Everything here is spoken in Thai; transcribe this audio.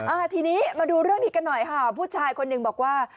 อ่าทีนี้มาดูเรื่องนี้กันหน่อยค่ะผู้ชายคนหนึ่งบอกว่า